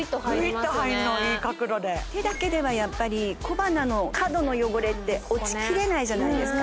グイッと入るのいい角度で手だけではやっぱり小鼻の角の汚れって落ちきれないじゃないですか